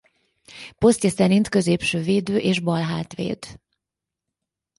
Posztja szerint középső védő és balhátvéd.